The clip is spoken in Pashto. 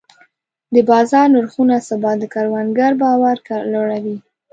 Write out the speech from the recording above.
د بازار نرخونو ثبات د کروندګر باور لوړوي.